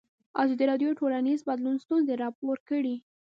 ازادي راډیو د ټولنیز بدلون ستونزې راپور کړي.